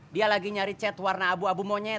dia lagi nyari chat warna abu abu monyet